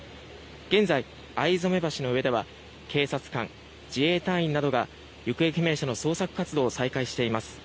現在、逢初橋の上では警察官、自衛隊員らが行方不明者の捜索活動を再開しています。